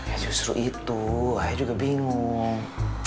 ya justru itu ayah juga bingung